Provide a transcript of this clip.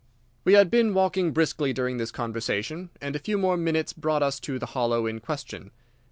We had been walking briskly during this conversation, and a few more minutes brought us to the hollow in question.